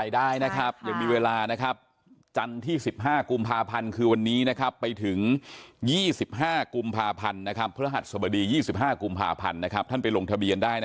ได้ไหมคะไม่ใช่คิดอย่างนั้น